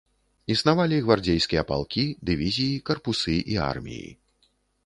Існавалі гвардзейскія палкі, дывізіі, карпусы і арміі.